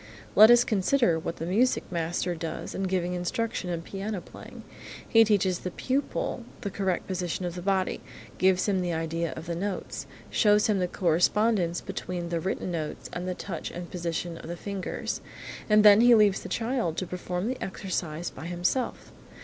Let us consider what the music master does in giving instruction in piano playing. He teaches the pupil the correct position of the body, gives him the idea of the notes, shows him the correspondence between the written notes and the touch and the position of the fingers, and then he leaves the child to perform the exercise by himself.